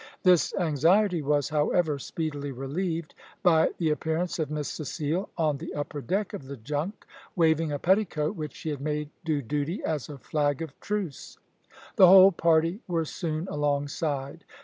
This anxiety was, however, speedily relieved, by the appearance of Miss Cecile on the upper deck of the junk, waving a petticoat, which she had made do duty as a flag of truce. The whole party were soon alongside.